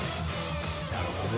なるほどね。